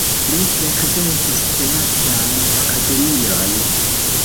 Li frekventis Teatran Akademion.